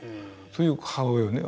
そういう母親をね